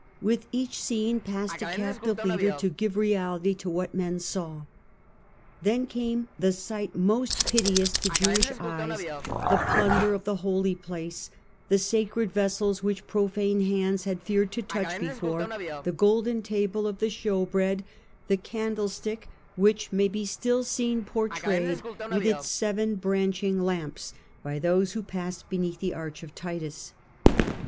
With each scene passed a cap tive leader, to give reality to what men saw. Then came the sight most piteous to Jewish eyes — the plunder of the Holy Place, the sacred vessels which profane hands had feared to touch before, the golden table of the shewbread, the candlestick, which may be still seen portrayed, with its seven branching lamps, by those who pass beneath the Arch of Titus.